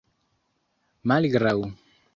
malgraŭ